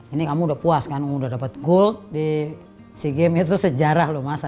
ini kamu udah puas kan kamu udah dapat gold di e games itu sejarah loh masa